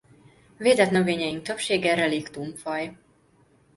Védett növényeink többsége reliktum faj.